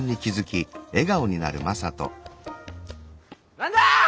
何だ？